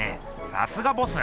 さすがボス。